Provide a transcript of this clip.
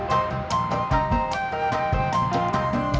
terus terus terus